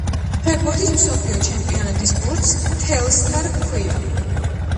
ფეხბურთის მსოფლიო ჩემპიონატის ბურთს Telstar ჰქვია